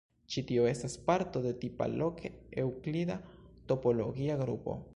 Ĉi-tio estas parto de tipa loke eŭklida topologia grupo.